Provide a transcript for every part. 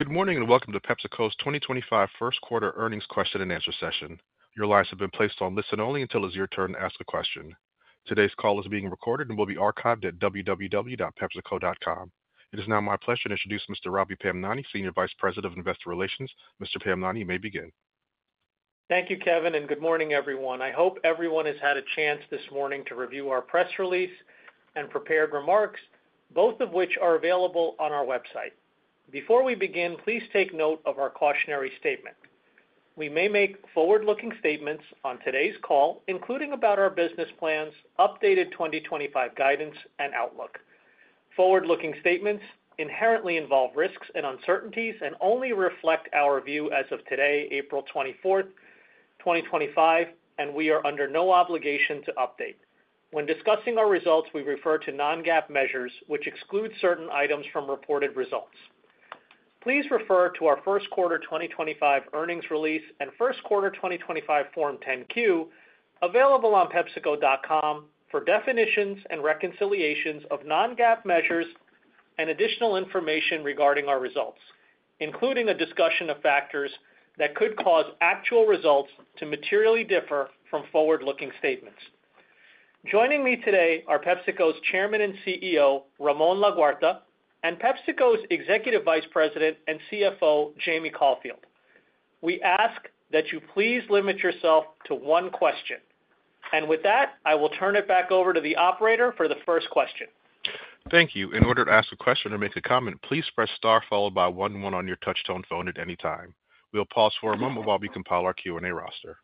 Good morning and welcome to PepsiCo's 2025 First Quarter Earnings Question and Answer Session. Your lines have been placed on listen-only until it's your turn to ask a question. Today's call is being recorded and will be archived at www.PepsiCo.com. It is now my pleasure to introduce Mr. Ravi Pamnani, Senior Vice President of Investor Relations. Mr. Pamnani, you may begin. Thank you, Kevin, and good morning, everyone. I hope everyone has had a chance this morning to review our press release and prepared remarks, both of which are available on our website. Before we begin, please take note of our cautionary statement. We may make forward-looking statements on today's call, including about our business plans, updated 2025 guidance, and outlook. Forward-looking statements inherently involve risks and uncertainties and only reflect our view as of today, April 24, 2025, and we are under no obligation to update. When discussing our results, we refer to non-GAAP measures, which exclude certain items from reported results. Please refer to our First Quarter 2025 Earnings Release and First Quarter 2025 Form 10-Q available on PepsiCo.com for definitions and reconciliations of non-GAAP measures and additional information regarding our results, including a discussion of factors that could cause actual results to materially differ from forward-looking statements. Joining me today are PepsiCo's Chairman and CEO, Ramon Laguarta, and PepsiCo's Executive Vice President and CFO, Jamie Caulfield. We ask that you please limit yourself to one question. With that, I will turn it back over to the operator for the first question. Thank you. In order to ask a question or make a comment, please press star followed by one-one on your touch-tone phone at any time. We'll pause for a moment while we compile our Q&A roster.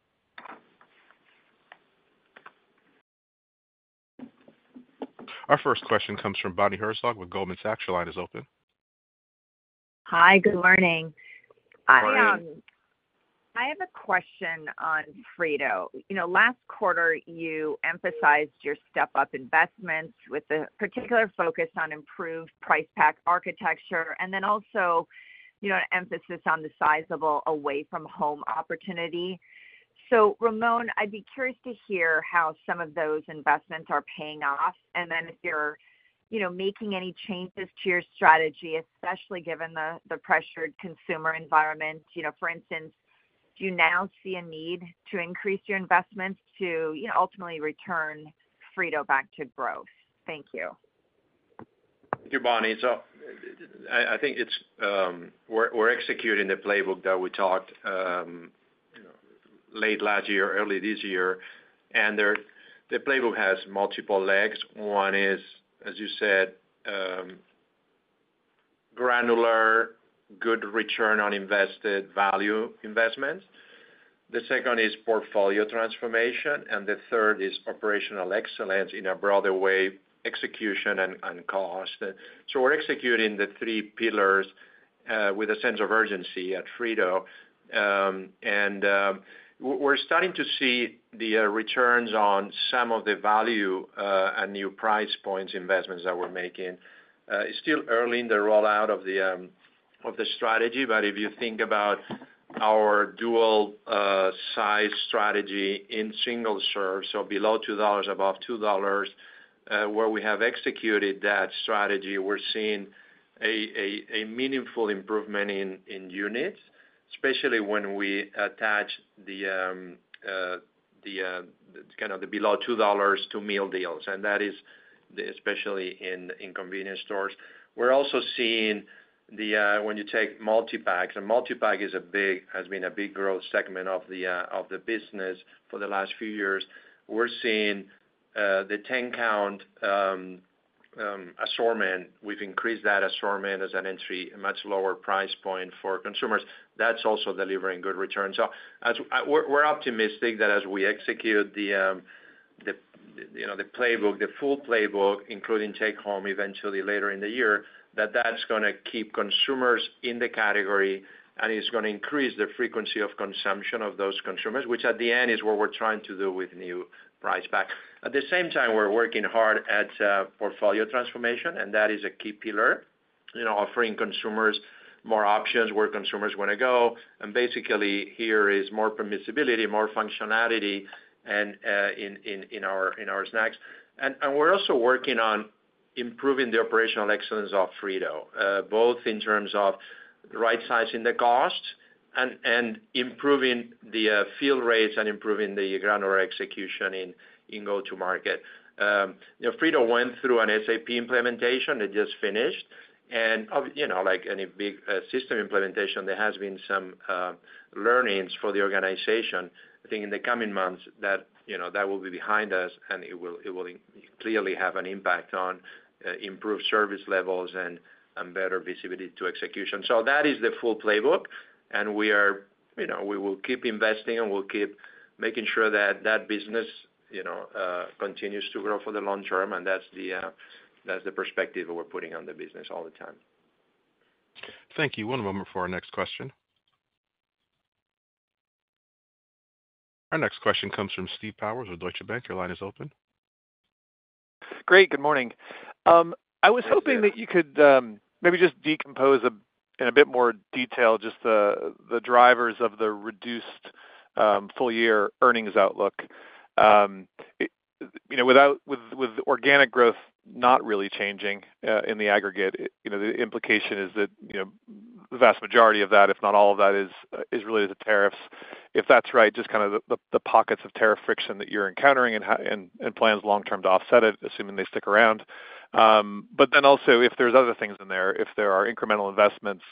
Our first question comes from Bonnie Herzog with Goldman Sachs. Your line is open. Hi, good morning. Good morning. I have a question on Frito. Last quarter, you emphasized your step-up investments with a particular focus on improved price pack architecture and then also an emphasis on the sizable away-from-home opportunity. Ramon, I'd be curious to hear how some of those investments are paying off and if you're making any changes to your strategy, especially given the pressured consumer environment. For instance, do you now see a need to increase your investments to ultimately return Frito back to growth? Thank you. Thank you, Bonnie. I think we're executing the playbook that we talked late last year, early this year. The playbook has multiple legs. One is, as you said, granular, good return on invested value investments. The second is portfolio transformation, and the third is operational excellence in a broader way, execution and cost. We're executing the three pillars with a sense of urgency at Frito. We're starting to see the returns on some of the value and new price points investments that we're making. It's still early in the rollout of the strategy, but if you think about our dual-size strategy in single serve, so below $2, above $2, where we have executed that strategy, we're seeing a meaningful improvement in units, especially when we attach the kind of the below $2 to meal deals. That is especially in convenience stores. We're also seeing when you take multi-packs, and multi-pack has been a big growth segment of the business for the last few years. We're seeing the 10-count assortment. We've increased that assortment as an entry, a much lower price point for consumers. That's also delivering good returns. We are optimistic that as we execute the playbook, the full playbook, including take-home eventually later in the year, that that's going to keep consumers in the category and is going to increase the frequency of consumption of those consumers, which at the end is what we're trying to do with new price pack. At the same time, we're working hard at portfolio transformation, and that is a key pillar, offering consumers more options, where consumers want to go. Basically, here is more permissibility, more functionality in our Snacks. We are also working on improving the operational excellence of Frito, both in terms of right-sizing the cost and improving the fill rates and improving the granular execution in go-to-market. Frito went through an SAP implementation. It just finished. Like any big system implementation, there has been some learnings for the organization. I think in the coming months that will be behind us, and it will clearly have an impact on improved service levels and better visibility to execution. That is the full playbook. We will keep investing and we'll keep making sure that that business continues to grow for the long term. That is the perspective we are putting on the business all the time. Thank you. One moment for our next question. Our next question comes from Steve Powers with Deutsche Bank. Your line is open. Great. Good morning. I was hoping that you could maybe just decompose in a bit more detail just the drivers of the reduced full-year earnings outlook. With organic growth not really changing in the aggregate, the implication is that the vast majority of that, if not all of that, is related to tariffs. If that's right, just kind of the pockets of tariff friction that you're encountering and plans long-term to offset it, assuming they stick around. If there are other things in there, if there are incremental investments,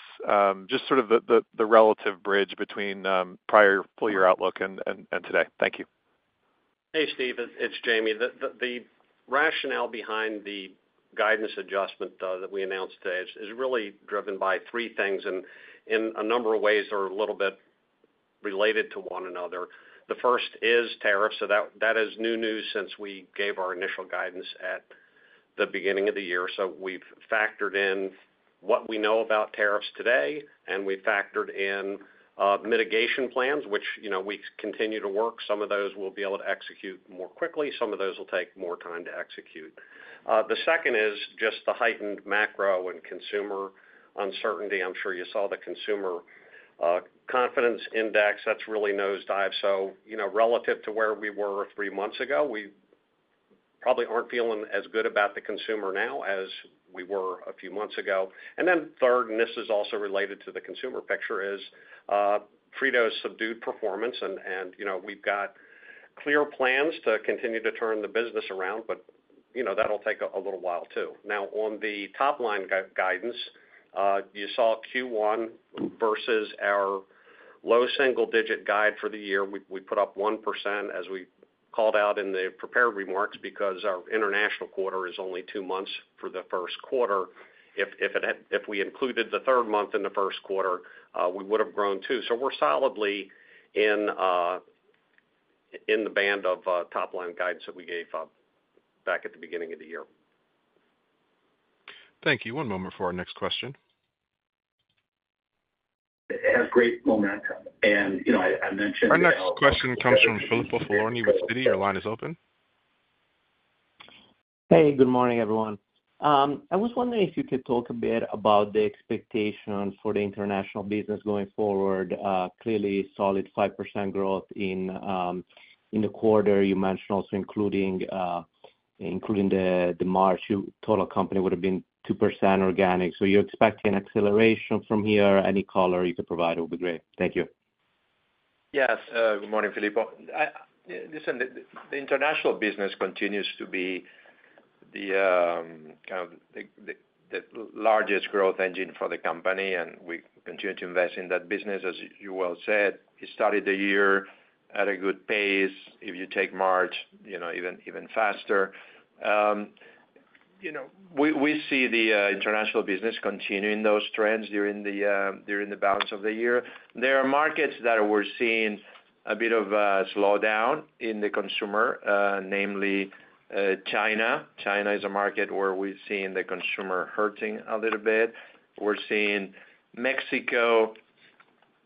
just sort of the relative bridge between prior full-year outlook and today. Thank you. Hey, Steve. It's Jamie. The rationale behind the guidance adjustment that we announced today is really driven by three things in a number of ways that are a little bit related to one another. The first is tariffs. That is new news since we gave our initial guidance at the beginning of the year. We have factored in what we know about tariffs today, and we have factored in mitigation plans, which we continue to work. Some of those we will be able to execute more quickly. Some of those will take more time to execute. The second is just the heightened macro and consumer uncertainty. I'm sure you saw the consumer confidence index. That has really nosedived. Relative to where we were three months ago, we probably are not feeling as good about the consumer now as we were a few months ago. Third, and this is also related to the consumer picture, is Frito's subdued performance. We have clear plans to continue to turn the business around, but that will take a little while too. On the top-line guidance, you saw Q1 versus our low single-digit guide for the year. We put up 1% as we called out in the prepared remarks because our international quarter is only two months for the first quarter. If we included the third month in the first quarter, we would have grown too. We are solidly in the band of top-line guidance that we gave back at the beginning of the year. Thank you. One moment for our next question. It has great momentum. I mentioned. Our next question comes from Filippo Falorni with Citi. Your line is open. Hey, good morning, everyone. I was wondering if you could talk a bit about the expectation for the International business going forward. Clearly, solid 5% growth in the quarter. You mentioned also including the March, your total company would have been 2% organic. So you're expecting an acceleration from here. Any color you could provide would be great. Thank you. Yes. Good morning, Filippo. Listen, the International business continues to be the kind of the largest growth engine for the company, and we continue to invest in that business, as you well said. It started the year at a good pace. If you take March, even faster. We see the International business continuing those trends during the balance of the year. There are markets that we're seeing a bit of a slowdown in the consumer, namely China. China is a market where we've seen the consumer hurting a little bit. We're seeing Mexico,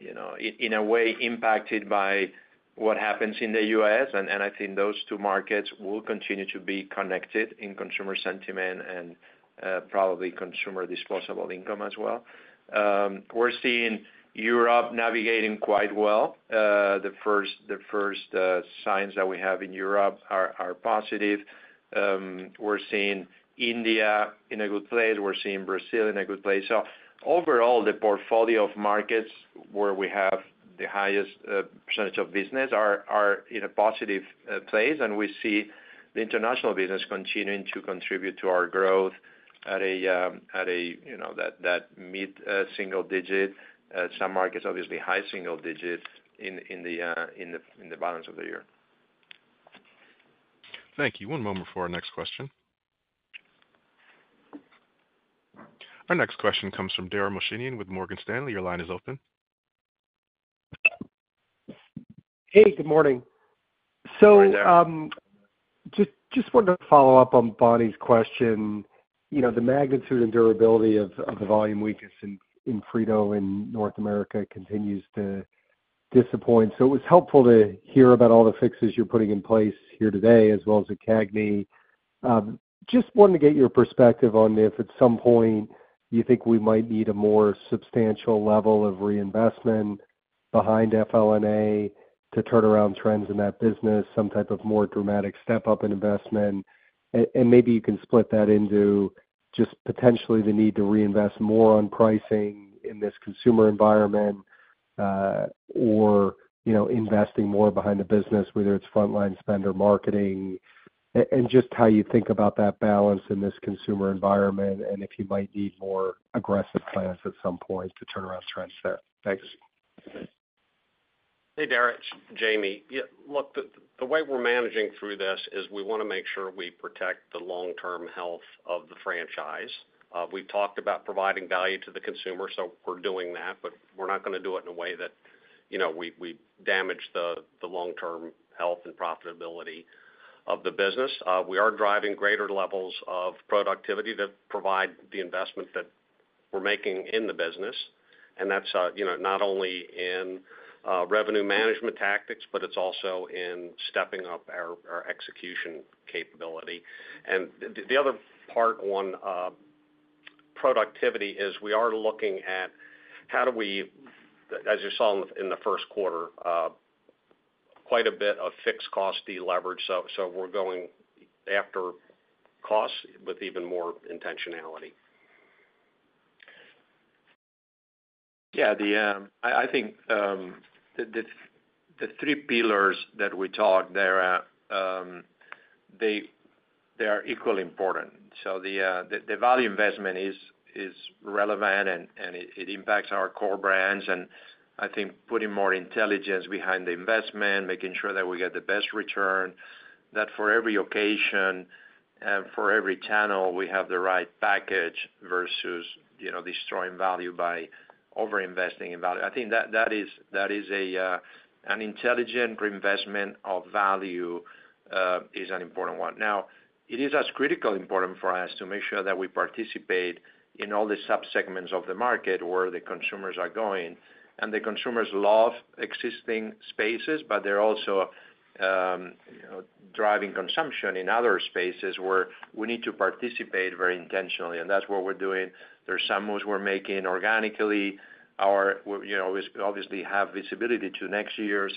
in a way, impacted by what happens in the U.S. I think those two markets will continue to be connected in consumer sentiment and probably consumer disposable income as well. We're seeing Europe navigating quite well. The first signs that we have in Europe are positive. We're seeing India in a good place. We're seeing Brazil in a good place. Overall, the portfolio of markets where we have the highest percentage of business are in a positive place. We see the International business continuing to contribute to our growth at that mid-single digit. Some markets, obviously, high single digit in the balance of the year. Thank you. One moment for our next question. Our next question comes from Dara Mohsenian with Morgan Stanley. Your line is open. Hey, good morning. I just wanted to follow up on Bonnie's question. The magnitude and durability of the volume weakness in Frito in North America continues to disappoint. It was helpful to hear about all the fixes you're putting in place here today, as well as at CAGNY. I just wanted to get your perspective on if at some point you think we might need a more substantial level of reinvestment behind FLNA to turn around trends in that business, some type of more dramatic step-up in investment. Maybe you can split that into just potentially the need to reinvest more on pricing in this consumer environment or investing more behind the business, whether it's frontline spend or marketing, and just how you think about that balance in this consumer environment and if you might need more aggressive plans at some point to turn around trends there. Thanks. Hey, Dara. Jamie. Look, the way we're managing through this is we want to make sure we protect the long-term health of the franchise. We've talked about providing value to the consumer, so we're doing that, but we're not going to do it in a way that we damage the long-term health and profitability of the business. We are driving greater levels of productivity to provide the investment that we're making in the business. That's not only in revenue management tactics, but it's also in stepping up our execution capability. The other part on productivity is we are looking at how do we, as you saw in the first quarter, quite a bit of fixed cost deleverage. We are going after costs with even more intentionality. Yeah. I think the three pillars that we talked, they are equally important. The value investment is relevant, and it impacts our core brands. I think putting more intelligence behind the investment, making sure that we get the best return, that for every occasion and for every channel, we have the right package versus destroying value by over-investing in value. I think that an intelligent reinvestment of value is an important one. It is as critically important for us to make sure that we participate in all the subsegments of the market where the consumers are going. The consumers love existing spaces, but they're also driving consumption in other spaces where we need to participate very intentionally. That's what we're doing. There are some moves we're making organically. We obviously have visibility to next year's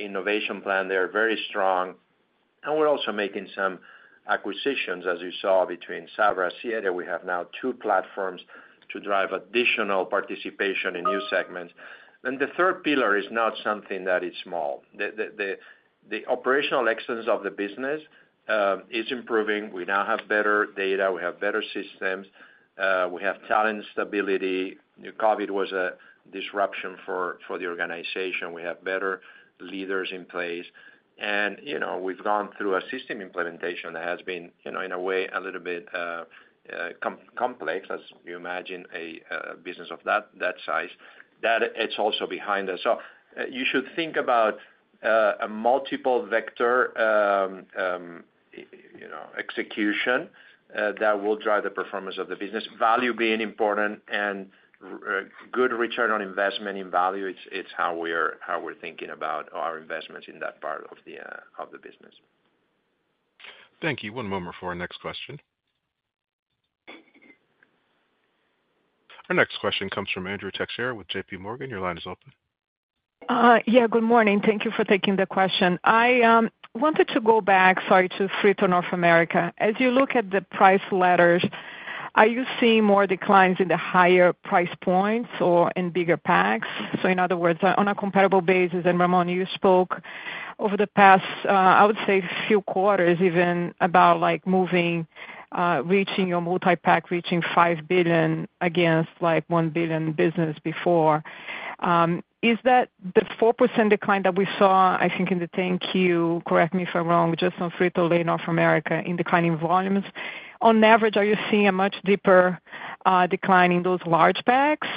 innovation plan. They're very strong. We're also making some acquisitions, as you saw, between Sabra and Siete. We have now two platforms to drive additional participation in new segments. The third pillar is not something that is small. The operational excellence of the business is improving. We now have better data. We have better systems. We have talent stability. COVID was a disruption for the organization. We have better leaders in place. We've gone through a system implementation that has been, in a way, a little bit complex, as you imagine a business of that size. That is also behind us. You should think about a multiple-vector execution that will drive the performance of the business. Value being important and good return on investment in value, it's how we're thinking about our investments in that part of the business. Thank you. One moment for our next question. Our next question comes from Andrea Teixeira with JPMorgan. Your line is open. Yeah. Good morning. Thank you for taking the question. I wanted to go back, sorry, to Frito-Lay North America. As you look at the price ladders, are you seeing more declines in the higher price points or in bigger packs? In other words, on a comparable basis, and Ramon, you spoke over the past, I would say, few quarters, even about reaching your multi-pack, reaching $5 billion against $1 billion business before. Is that the 4% decline that we saw, I think, in the 10-Q, correct me if I'm wrong, just on Frito-Lay North America in declining volumes? On average, are you seeing a much deeper decline in those large packs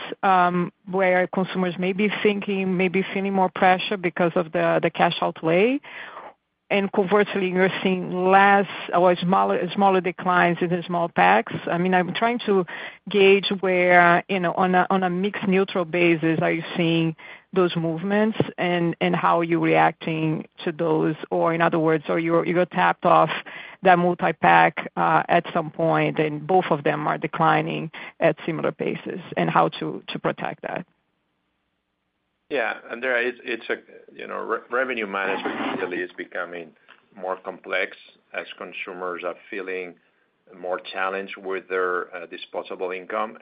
where consumers may be thinking, maybe feeling more pressure because of the cash outlay? Conversely, you're seeing less or smaller declines in the small packs? I mean, I'm trying to gauge where on a mixed neutral basis, are you seeing those movements and how you're reacting to those? In other words, are you tapped off that multi-pack at some point, and both of them are declining at similar bases, and how to protect that? Yeah. Dara, revenue management really is becoming more complex as consumers are feeling more challenged with their disposable income.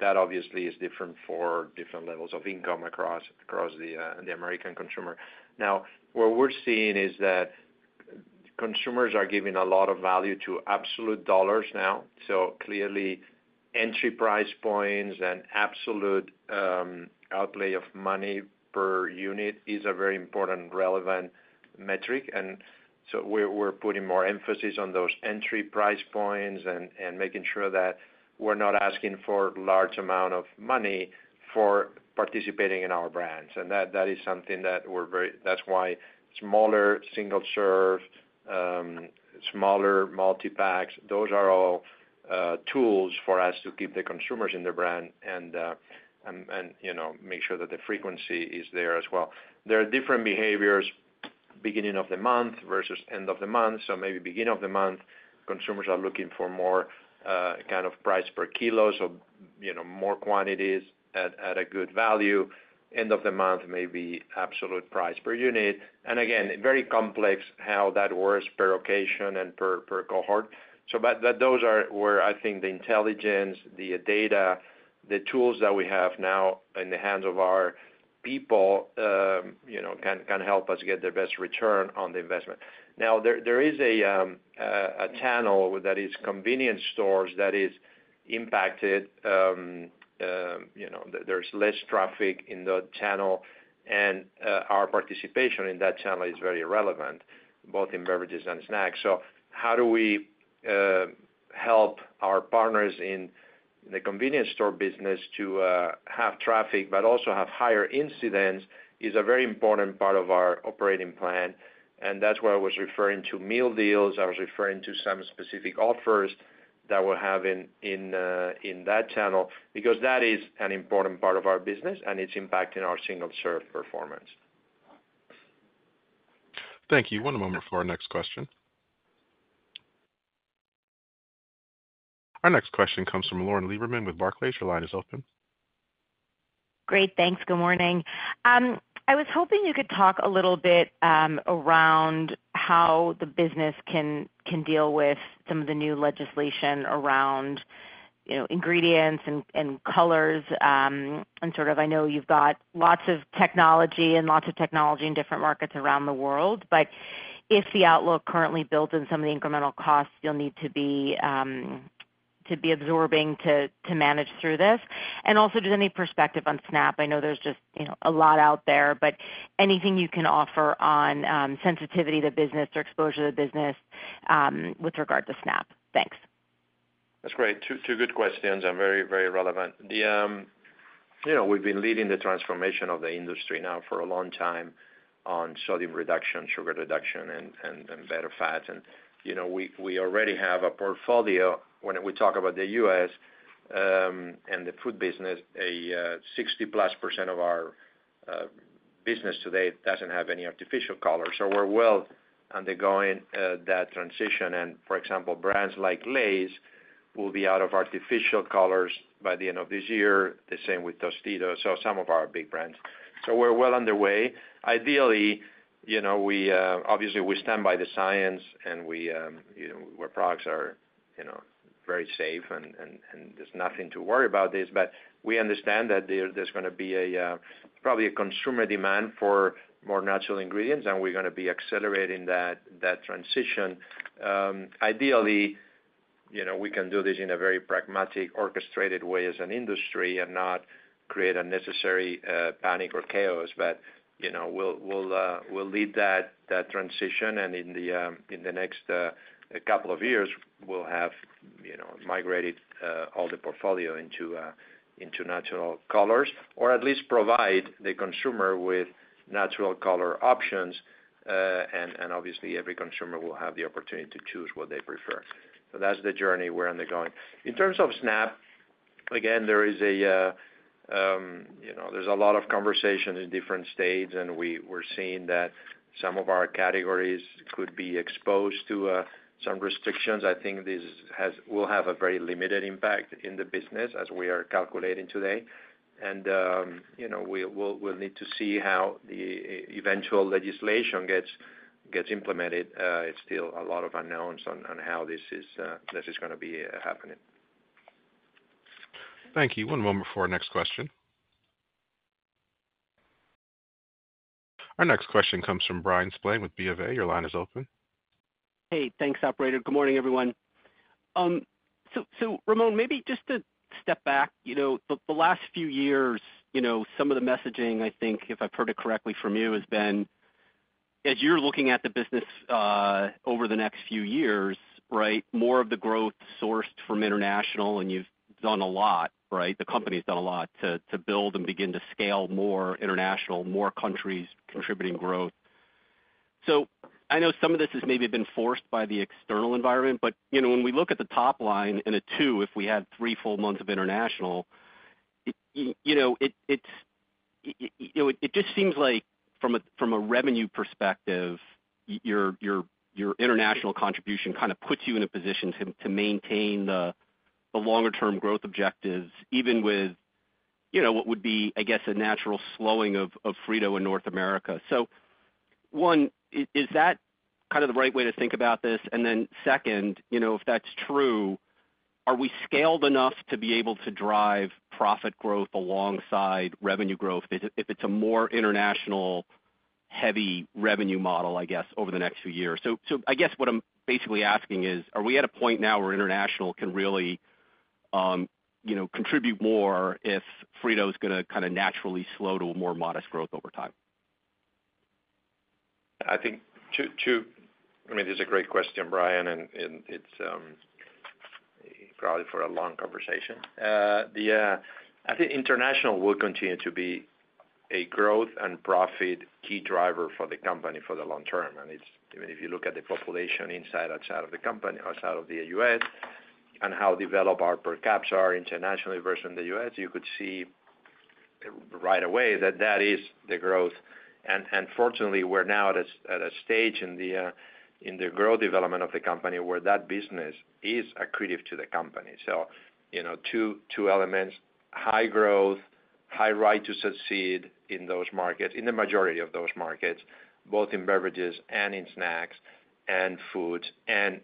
That obviously is different for different levels of income across the American consumer. What we're seeing is that consumers are giving a lot of value to absolute dollars now. Clearly, entry price points and absolute outlay of money per unit is a very important, relevant metric. We are putting more emphasis on those entry price points and making sure that we're not asking for a large amount of money for participating in our brands. That is something that we're very—that's why smaller single-serve, smaller multi-packs, those are all tools for us to keep the consumers in the brand and make sure that the frequency is there as well. There are different behaviors beginning of the month versus end of the month. Maybe beginning of the month, consumers are looking for more kind of price per kilo or more quantities at a good value. End of the month, maybe absolute price per unit. Again, very complex how that works per occasion and per cohort. Those are where, I think, the intelligence, the data, the tools that we have now in the hands of our people can help us get the best return on the investment. Now, there is a channel that is convenience stores that is impacted. There is less traffic in the channel, and our participation in that channel is very relevant, both in Beverages and Snacks. How do we help our partners in the convenience store business to have traffic but also have higher incidence is a very important part of our operating plan. That is why I was referring to meal deals. I was referring to some specific offers that we're having in that channel because that is an important part of our business, and it's impacting our single-serve performance. Thank you. One moment for our next question. Our next question comes from Lauren Lieberman with Barclays. Your line is open. Great. Thanks. Good morning. I was hoping you could talk a little bit around how the business can deal with some of the new legislation around ingredients and colors. I know you've got lots of technology and lots of technology in different markets around the world, but if the outlook currently builds in some of the incremental costs, you'll need to be absorbing to manage through this. Also, do you have any perspective on SNAP? I know there's just a lot out there, but anything you can offer on sensitivity to business or exposure to business with regard to SNAP. Thanks. That's great. Two good questions. Very, very relevant. We've been leading the transformation of the industry now for a long time on sodium reduction, sugar reduction, and better fats. We already have a portfolio. When we talk about the U.S. and the Food business, 60+% of our business today doesn't have any artificial colors. We're well undergoing that transition. For example, brands like Lay's will be out of artificial colors by the end of this year, the same with Tostitos, some of our big brands. We're well underway. Ideally, obviously, we stand by the science and where products are very safe and there's nothing to worry about with this. We understand that there's going to be probably a consumer demand for more natural ingredients, and we're going to be accelerating that transition. Ideally, we can do this in a very pragmatic, orchestrated way as an industry and not create unnecessary panic or chaos. We will lead that transition. In the next couple of years, we will have migrated all the portfolio into natural colors or at least provide the consumer with natural color options. Obviously, every consumer will have the opportunity to choose what they prefer. That is the journey we are undergoing. In terms of SNAP, again, there is a lot of conversation in different states, and we are seeing that some of our categories could be exposed to some restrictions. I think this will have a very limited impact in the business as we are calculating today. We will need to see how the eventual legislation gets implemented. There are still a lot of unknowns on how this is going to be happening. Thank you. One moment for our next question. Our next question comes from Bryan Spillane with BofA. Your line is open. Hey, thanks, operator. Good morning, everyone. Ramon, maybe just to step back, the last few years, some of the messaging, I think, if I've heard it correctly from you, has been, as you're looking at the business over the next few years, right, more of the growth sourced from International, and you've done a lot, right? The company has done a lot to build and begin to scale more International, more countries contributing growth. I know some of this has maybe been forced by the external environment, but when we look at the top line and a two, if we had three full months of International, it just seems like from a revenue perspective, your International contribution kind of puts you in a position to maintain the longer-term growth objectives, even with what would be, I guess, a natural slowing of Frito in North America. Is that kind of the right way to think about this? Then, if that's true, are we scaled enough to be able to drive profit growth alongside revenue growth if it's a more International-heavy revenue model, I guess, over the next few years? I guess what I'm basically asking is, are we at a point now where International can really contribute more if Frito is going to kind of naturally slow to a more modest growth over time? I think two. I mean, this is a great question, Bryan, and it's probably for a long conversation. I think International will continue to be a growth and profit key driver for the company for the long term. If you look at the population inside and outside of the company outside of the U.S. and how developed our per capita are internationally versus in the U.S., you could see right away that that is the growth. Fortunately, we're now at a stage in the growth development of the company where that business is accredited to the company. Two elements: high growth, high right to succeed in those markets, in the majority of those markets, both in Beverages and in Snacks and Foods and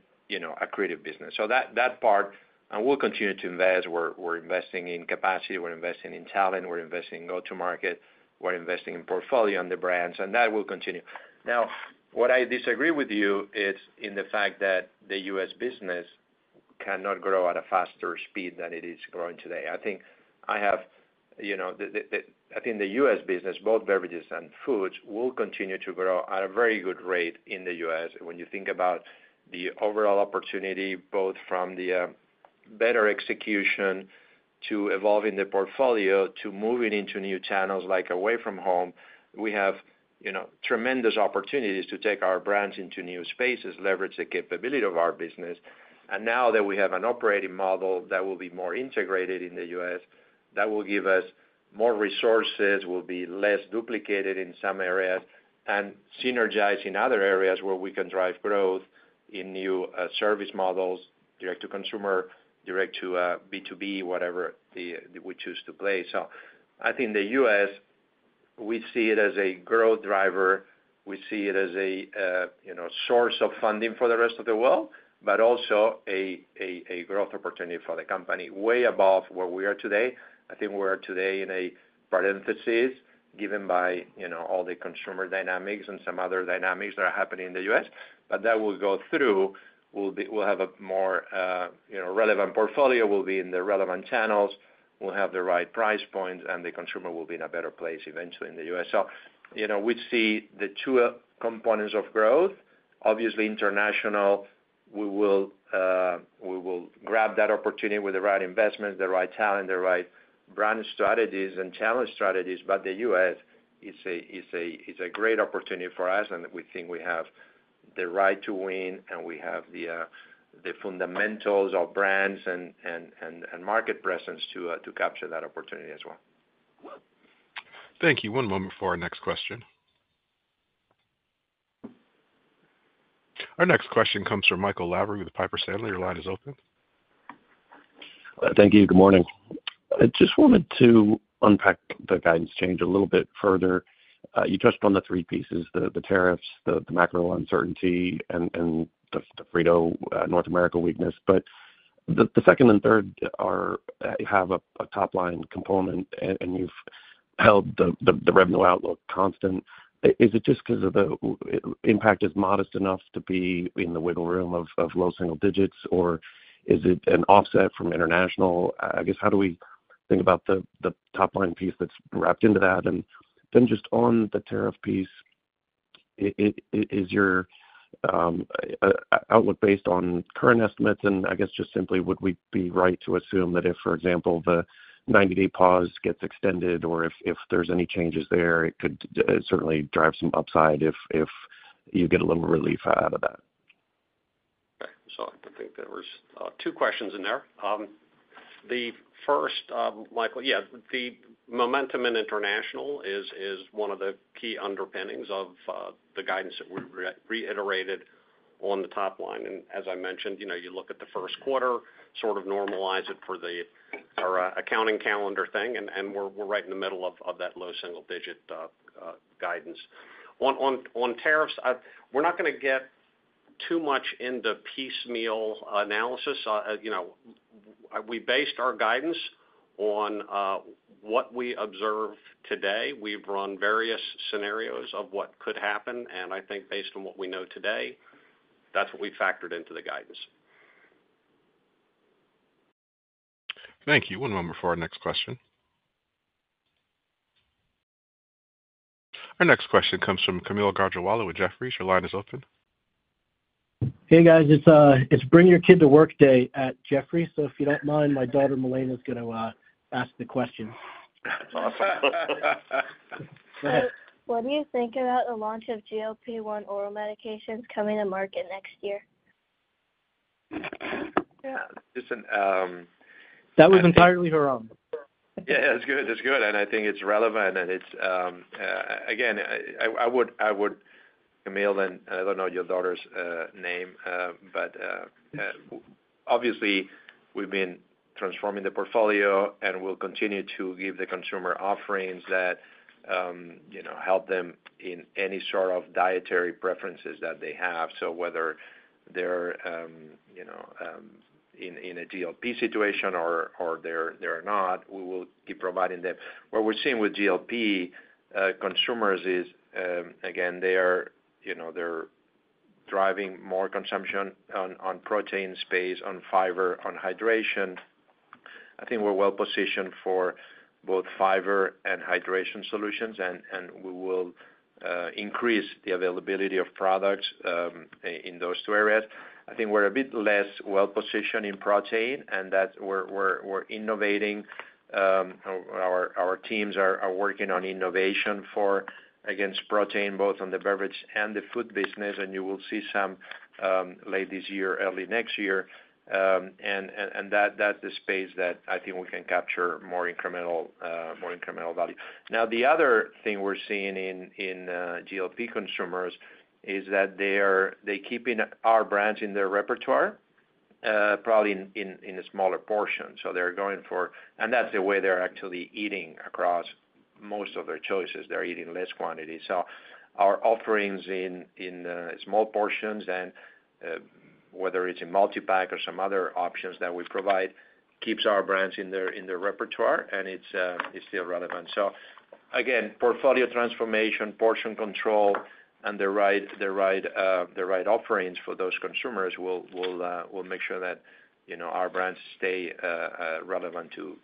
accredited business. That part, and we'll continue to invest. We're investing in capacity. We're investing in talent. We're investing in go-to-market. We're investing in portfolio and the brands. That will continue. What I disagree with you is in the fact that the U.S. business cannot grow at a faster speed than it is growing today. I think the U.S. business, both Beverages and Foods, will continue to grow at a very good rate in the U.S. When you think about the overall opportunity, both from the better execution to evolving the portfolio to moving into new channels like away from home, we have tremendous opportunities to take our brands into new spaces, leverage the capability of our business. Now that we have an operating model that will be more integrated in the U.S., that will give us more resources, will be less duplicated in some areas, and synergize in other areas where we can drive growth in new service models, direct-to-consumer, direct-to-B2B, whatever we choose to play. I think the U.S., we see it as a growth driver. We see it as a source of funding for the rest of the world, but also a growth opportunity for the company way above where we are today. I think we are today in a parenthesis given by all the consumer dynamics and some other dynamics that are happening in the U.S. That will go through. We'll have a more relevant portfolio. We'll be in the relevant channels. We'll have the right price points, and the consumer will be in a better place eventually in the U.S. We see the two components of growth. Obviously, International, we will grab that opportunity with the right investments, the right talent, the right brand strategies and challenge strategies. The U.S. is a great opportunity for us, and we think we have the right to win, and we have the fundamentals of brands and market presence to capture that opportunity as well. Thank you. One moment for our next question. Our next question comes from Michael Lavery with Piper Sandler. Your line is open. Thank you. Good morning. I just wanted to unpack the guidance change a little bit further. You touched on the three pieces: the tariffs, the macro uncertainty, and the Frito North America weakness. The second and third have a top-line component, and you've held the revenue outlook constant. Is it just because the impact is modest enough to be in the wiggle room of low single digits, or is it an offset from International? I guess, how do we think about the top-line piece that's wrapped into that? Just on the tariff piece, is your outlook based on current estimates? I guess just simply, would we be right to assume that if, for example, the 90-day pause gets extended or if there's any changes there, it could certainly drive some upside if you get a little relief out of that? Okay. I think there were two questions in there. The first, Michael, yeah, the momentum in International is one of the key underpinnings of the guidance that we reiterated on the top line. As I mentioned, you look at the first quarter, sort of normalize it for our accounting calendar thing, and we're right in the middle of that low single-digit guidance. On tariffs, we're not going to get too much into piecemeal analysis. We based our guidance on what we observe today. We've run various scenarios of what could happen. I think based on what we know today, that's what we factored into the guidance. Thank you. One moment for our next question. Our next question comes from Kaumil Gajrawala with Jefferies. Your line is open. Hey, guys. It's Bring Your Kid to Work Day at Jefferies. If you do not mind, my daughter Milena's going to ask the question. Awesome. What do you think about the launch of GLP-1 oral medications coming to market next year? That was entirely her own. Yeah, it's good. It's good. I think it's relevant. Again, I would, Kaumil, and I don't know your daughter's name, but obviously, we've been transforming the portfolio, and we'll continue to give the consumer offerings that help them in any sort of dietary preferences that they have. Whether they're in a GLP-1 situation or they're not, we will keep providing them. What we're seeing with GLP-1 consumers is, again, they're driving more consumption on protein space, on fiber, on hydration. I think we're well-positioned for both fiber and hydration solutions, and we will increase the availability of products in those two areas. I think we're a bit less well-positioned in protein, and we're innovating. Our teams are working on innovation against protein both in the Beverage and the Food business. You will see some late this year, early next year. That's the space that I think we can capture more incremental value. Now, the other thing we're seeing in GLP-1 consumers is that they're keeping our brands in their repertoire, probably in a smaller portion. They're going for, and that's the way they're actually eating across most of their choices. They're eating less quantity. Our offerings in small portions, and whether it's in multi-pack or some other options that we provide, keeps our brands in their repertoire, and it's still relevant. Again, portfolio transformation, portion control, and the right offerings for those consumers will make sure that our brands stay relevant to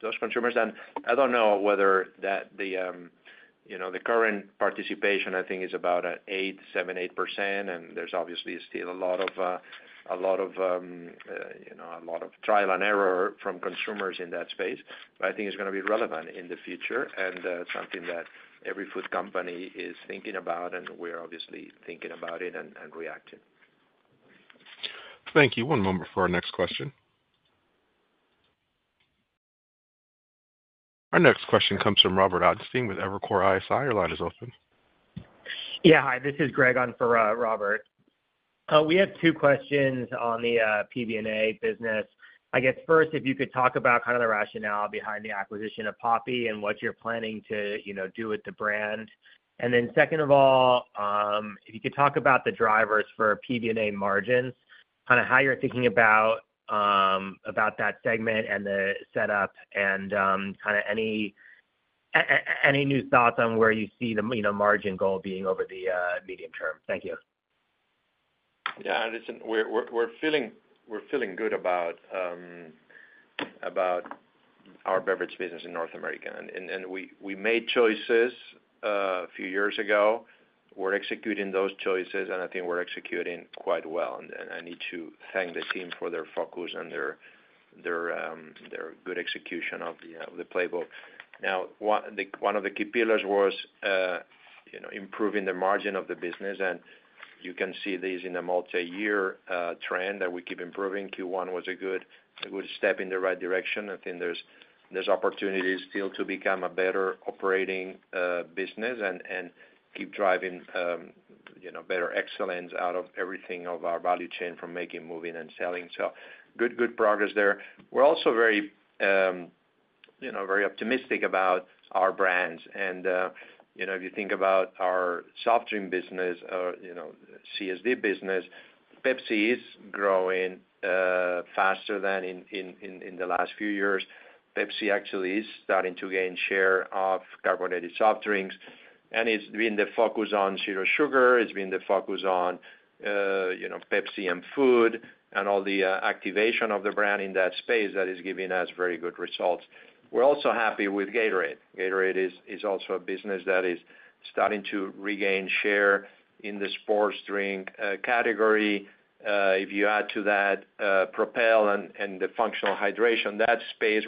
those consumers. I don't know whether the current participation, I think, is about an 8, 7, 8%, and there's obviously still a lot of trial and error from consumers in that space. I think it's going to be relevant in the future and something that every food company is thinking about, and we're obviously thinking about it and reacting. Thank you. One moment for our next question. Our next question comes from Robert Ottenstein with Evercore ISI. Your line is open. Yeah. Hi. This is Greg on for Robert. We have two questions on the PBNA business. I guess first, if you could talk about kind of the rationale behind the acquisition of poppi and what you're planning to do with the brand. Then second of all, if you could talk about the drivers for PBNA margins, kind of how you're thinking about that segment and the setup and kind of any new thoughts on where you see the margin goal being over the medium term. Thank you. Yeah. We're feeling good about our Beverage business in North America. We made choices a few years ago. We're executing those choices, and I think we're executing quite well. I need to thank the team for their focus and their good execution of the playbook. Now, one of the key pillars was improving the margin of the business. You can see this in the multi-year trend that we keep improving. Q1 was a good step in the right direction. I think there's opportunities still to become a better operating business and keep driving better excellence out of everything of our value chain from making, moving, and selling. Good progress there. We're also very optimistic about our brands. If you think about our soft drink business or CSD business, Pepsi is growing faster than in the last few years. Pepsi actually is starting to gain share of carbonated soft drinks. It's been the focus on Zero Sugar. It's been the focus on Pepsi and Food and all the activation of the brand in that space that is giving us very good results. We're also happy with Gatorade. Gatorade is also a business that is starting to regain share in the sports drink category. If you add to that Propel and the functional hydration, that space,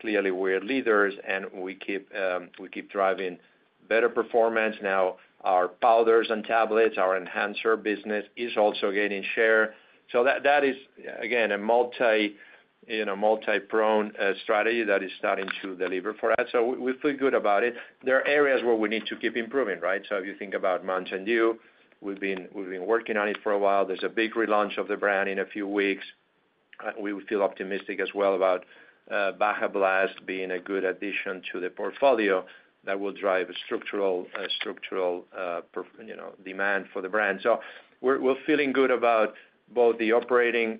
clearly, we're leaders, and we keep driving better performance. Now, our powders and tablets, our enhancer business is also gaining share. That is, again, a multi-prone strategy that is starting to deliver for us. We feel good about it. There are areas where we need to keep improving, right? If you think about Mountain Dew, we've been working on it for a while. There's a big relaunch of the brand in a few weeks. We feel optimistic as well about Baja Blast being a good addition to the portfolio that will drive structural demand for the brand. We are feeling good about both the operating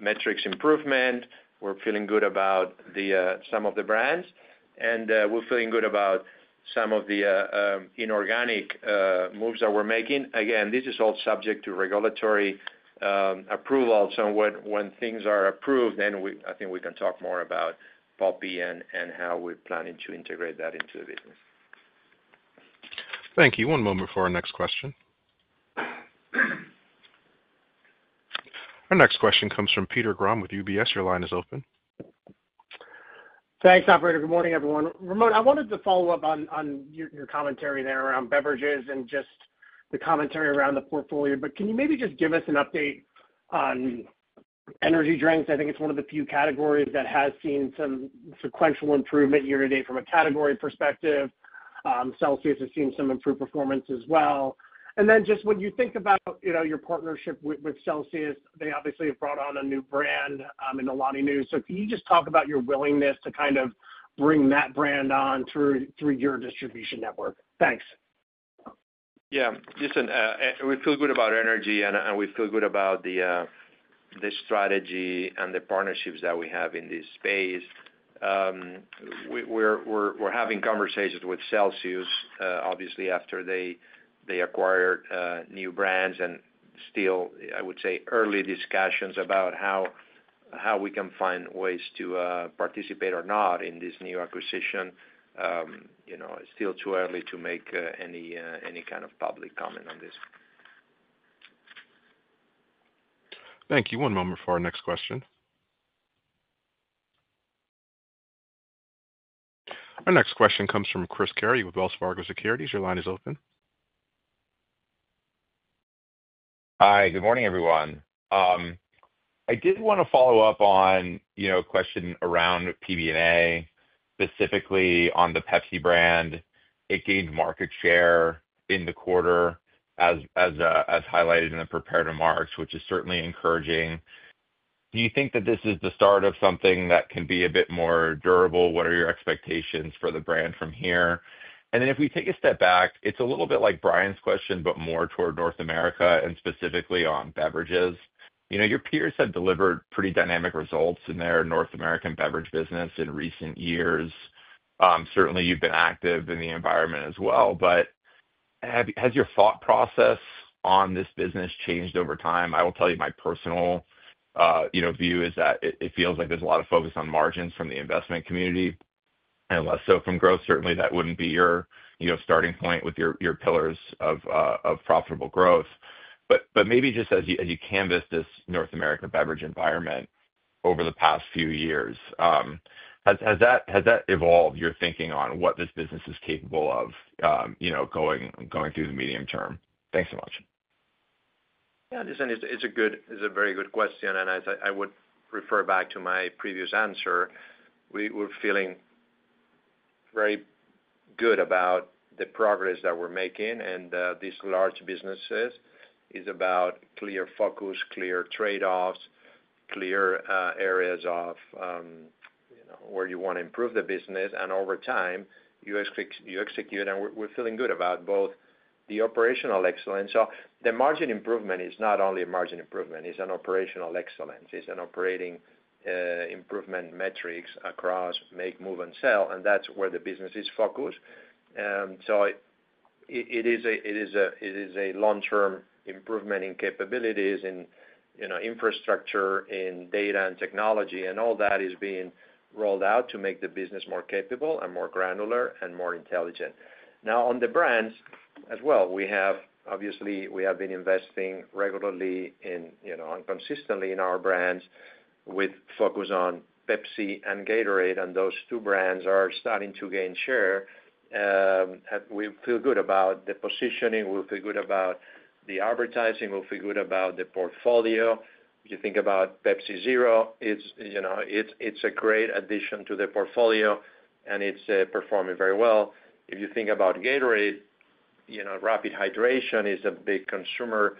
metrics improvement. We are feeling good about some of the brands. We are feeling good about some of the inorganic moves that we are making. Again, this is all subject to regulatory approval. When things are approved, I think we can talk more about poppi and how we are planning to integrate that into the business. Thank you. One moment for our next question. Our next question comes from Peter Grom with UBS. Your line is open. Thanks, Alfredo. Good morning, everyone. Ramon, I wanted to follow up on your commentary there around Beverages and just the commentary around the portfolio. Can you maybe just give us an update on energy drinks? I think it's one of the few categories that has seen some sequential improvement year to date from a category perspective. Celsius has seen some improved performance as well. When you think about your partnership with Celsius, they obviously have brought on a new brand in a lot of news. Can you just talk about your willingness to kind of bring that brand on through your distribution network? Thanks. Yeah. Listen, we feel good about energy, and we feel good about the strategy and the partnerships that we have in this space. We're having conversations with Celsius, obviously, after they acquired new brands. Still, I would say early discussions about how we can find ways to participate or not in this new acquisition. It's still too early to make any kind of public comment on this. Thank you. One moment for our next question. Our next question comes from Chris Carey with Wells Fargo Securities. Your line is open. Hi. Good morning, everyone. I did want to follow up on a question around PBNA, specifically on the Pepsi brand. It gained market share in the quarter, as highlighted in the prepared remarks, which is certainly encouraging. Do you think that this is the start of something that can be a bit more durable? What are your expectations for the brand from here? If we take a step back, it's a little bit like Bryan's question, but more toward North America and specifically on Beverages. Your peers have delivered pretty dynamic results in their North American Beverage business in recent years. Certainly, you've been active in the environment as well. Has your thought process on this business changed over time? I will tell you my personal view is that it feels like there's a lot of focus on margins from the investment community. Less so from growth. Certainly, that would not be your starting point with your pillars of profitable growth. Maybe just as you canvas this North America Beverage environment over the past few years, has that evolved your thinking on what this business is capable of going through the medium term? Thanks so much. Yeah. Listen, it's a very good question. I would refer back to my previous answer. We're feeling very good about the progress that we're making. These large businesses are about clear focus, clear trade-offs, clear areas of where you want to improve the business. Over time, you execute. We're feeling good about both the operational excellence. The margin improvement is not only a margin improvement. It's an operational excellence. It's an operating improvement metrics across make, move, and sell. That's where the business is focused. It is a long-term improvement in capabilities, in infrastructure, in data and technology. All that is being rolled out to make the business more capable and more granular and more intelligent. Now, on the brands as well, obviously, we have been investing regularly and consistently in our brands with focus on Pepsi and Gatorade. Those two brands are starting to gain share. We feel good about the positioning. We feel good about the advertising. We feel good about the portfolio. If you think about Pepsi Zero, it's a great addition to the portfolio, and it's performing very well. If you think about Gatorade, rapid hydration is a big consumer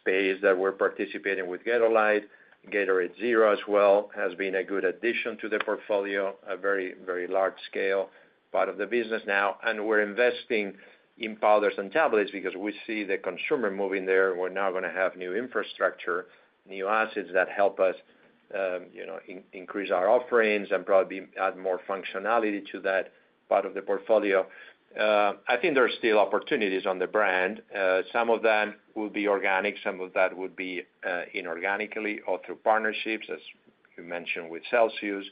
space that we're participating with Gatorlyte. Gatorade Zero as well has been a good addition to the portfolio, a very large-scale part of the business now. We're investing in powders and tablets because we see the consumer moving there. We're now going to have new infrastructure, new assets that help us increase our offerings and probably add more functionality to that part of the portfolio. I think there are still opportunities on the brand. Some of that will be organic. Some of that would be inorganically or through partnerships, as you mentioned, with Celsius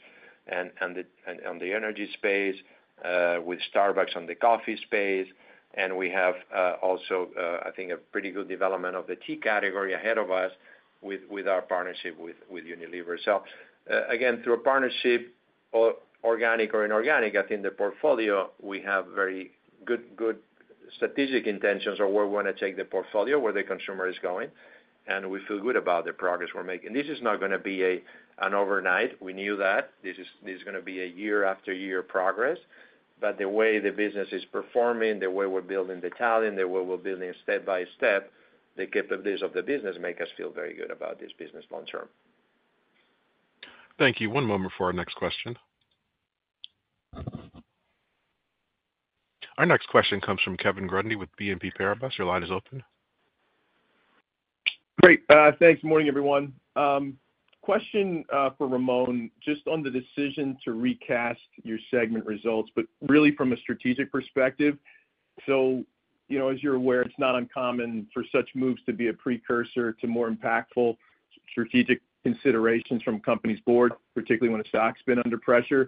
and the energy space, with Starbucks and the coffee space. We have also, I think, a pretty good development of the tea category ahead of us with our partnership with Unilever. Again, through a partnership, organic or inorganic, I think the portfolio, we have very good strategic intentions on where we want to take the portfolio, where the consumer is going. We feel good about the progress we're making. This is not going to be an overnight. We knew that. This is going to be a year-after-year progress. The way the business is performing, the way we're building the talent, the way we're building step by step, the capabilities of the business make us feel very good about this business long-term. Thank you. One moment for our next question. Our next question comes from Kevin Grundy with BNP Paribas. Your line is open. Great. Thanks. Morning, everyone. Question for Ramon just on the decision to recast your segment results, but really from a strategic perspective. As you're aware, it's not uncommon for such moves to be a precursor to more impactful strategic considerations from companies' boards, particularly when a stock's been under pressure.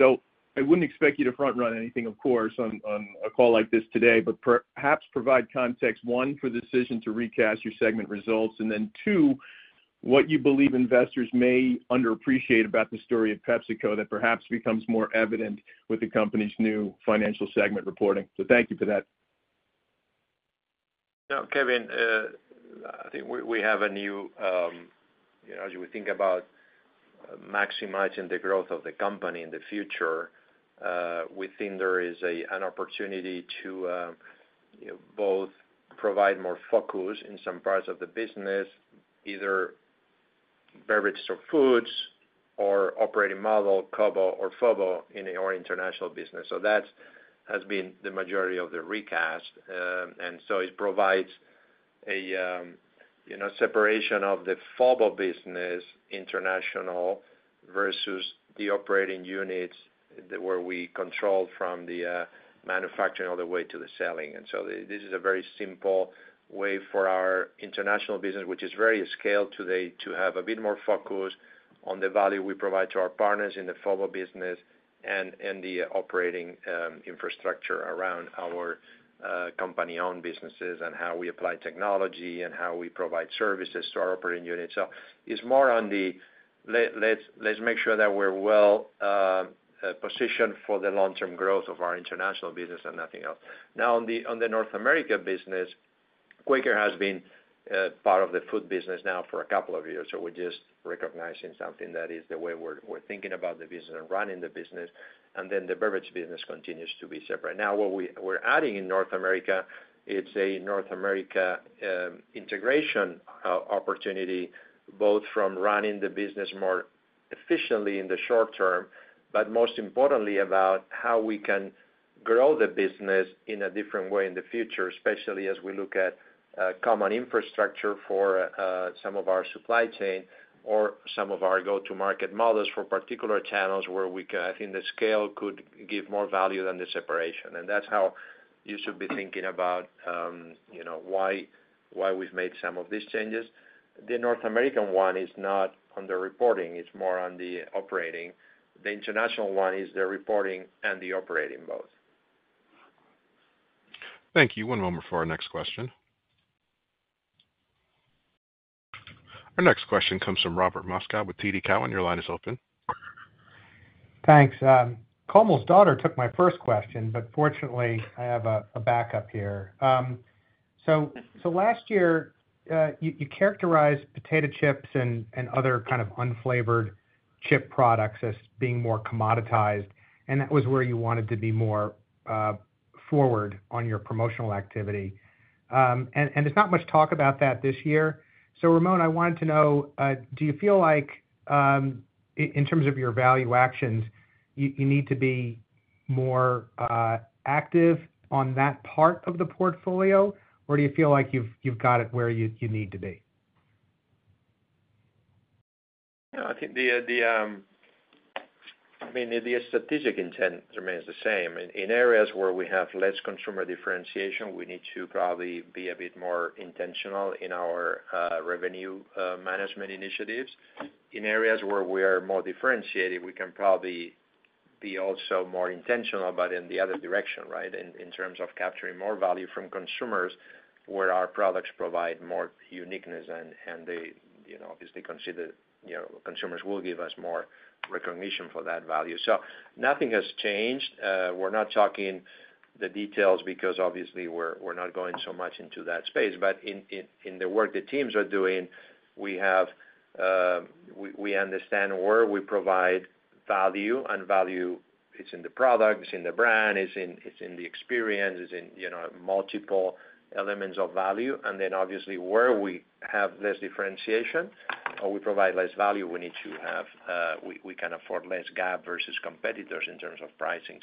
I wouldn't expect you to front-run anything, of course, on a call like this today, but perhaps provide context, one, for the decision to recast your segment results, and then, two, what you believe investors may underappreciate about the story of PepsiCo that perhaps becomes more evident with the company's new financial segment reporting. Thank you for that. Yeah. Kevin, I think we have a new, as we think about maximizing the growth of the company in the future, we think there is an opportunity to both provide more focus in some parts of the business, either Beverage or Foods or operating model, COBO or FOBO, in our International business. That has been the majority of the recast. It provides a separation of the FOBO business, International, versus the operating units where we control from the manufacturing all the way to the selling. This is a very simple way for our International business, which is very scaled today, to have a bit more focus on the value we provide to our partners in the FOBO business and the operating infrastructure around our company-owned businesses and how we apply technology and how we provide services to our operating units. It is more on the, "Let's make sure that we're well positioned for the long-term growth of our International business and nothing else." Now, on the North America business, Quaker has been part of the Food business now for a couple of years. We are just recognizing something that is the way we are thinking about the business and running the business. The Beverage business continues to be separate. What we are adding in North America is a North America integration opportunity both from running the business more efficiently in the short term, but most importantly, about how we can grow the business in a different way in the future, especially as we look at common infrastructure for some of our supply chain or some of our go-to-market models for particular channels where we can, I think the scale could give more value than the separation. That's how you should be thinking about why we've made some of these changes. The North American one is not on the reporting. It's more on the operating. The International one is the reporting and the operating both. Thank you. One moment for our next question. Our next question comes from Robert Moskow with TD Cowen. Your line is open. Thanks. Kaumil's daughter took my first question, but fortunately, I have a backup here. Last year, you characterized potato chips and other kind of unflavored chip products as being more commoditized. That was where you wanted to be more forward on your promotional activity. There is not much talk about that this year. Ramon, I wanted to know, do you feel like, in terms of your value actions, you need to be more active on that part of the portfolio, or do you feel like you've got it where you need to be? Yeah. I think the, I mean, the strategic intent remains the same. In areas where we have less consumer differentiation, we need to probably be a bit more intentional in our revenue management initiatives. In areas where we are more differentiated, we can probably be also more intentional, but in the other direction, right, in terms of capturing more value from consumers where our products provide more uniqueness. Obviously, considered consumers will give us more recognition for that value. Nothing has changed. We're not talking the details because, obviously, we're not going so much into that space. In the work the teams are doing, we understand where we provide value, and value is in the product. It's in the brand. It's in the experience. It's in multiple elements of value. Obviously, where we have less differentiation or we provide less value, we need to have we can afford less gap versus competitors in terms of pricing.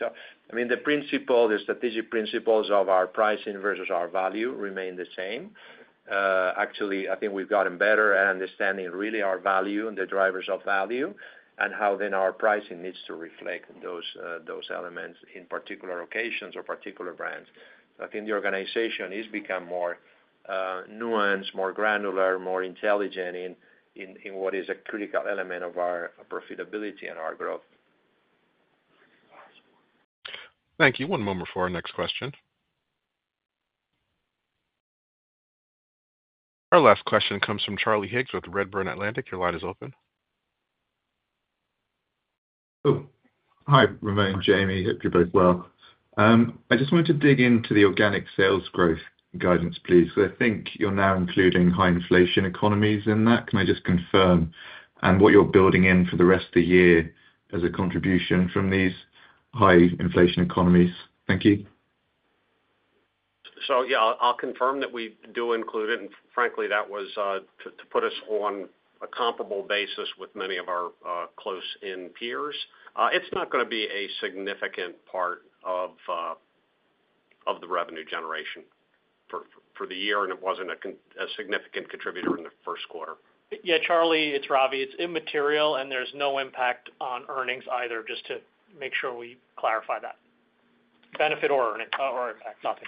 I mean, the strategic principles of our pricing versus our value remain the same. Actually, I think we've gotten better at understanding really our value and the drivers of value and how then our pricing needs to reflect those elements in particular occasions or particular brands. I think the organization has become more nuanced, more granular, more intelligent in what is a critical element of our profitability and our growth. Thank you. One moment for our next question. Our last question comes from Charlie Higgs with Redburn Atlantic. Your line is open. Hi, Ramon and Jamie. Hope you're both well. I just wanted to dig into the organic sales growth guidance, please, because I think you're now including high-inflation economies in that. Can I just confirm? And what you're building in for the rest of the year as a contribution from these high-inflation economies? Thank you. Yeah, I'll confirm that we do include it. Frankly, that was to put us on a comparable basis with many of our close-in peers. It's not going to be a significant part of the revenue generation for the year, and it wasn't a significant contributor in the first quarter. Yeah, Charlie, it's Ravi. It's immaterial, and there's no impact on earnings either, just to make sure we clarify that. Benefit or impact, nothing.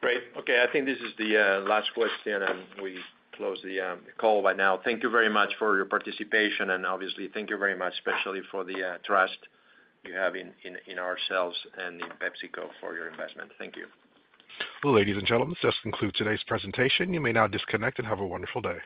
Great. Okay. I think this is the last question, and we close the call by now. Thank you very much for your participation. Thank you very much, especially for the trust you have in ourselves and in PepsiCo for your investment. Thank you. Ladies and gentlemen, this does conclude today's presentation. You may now disconnect and have a wonderful day.